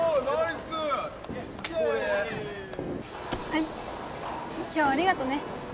はい今日はありがとね